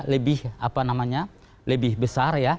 lebih apa namanya lebih besar ya